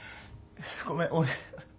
ごめん俺。